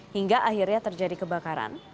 hingga akhirnya terjadi kebakaran